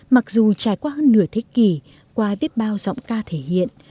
mặc dù trải qua hơn nửa thế kỷ qua biết bao giọng ca thể hiện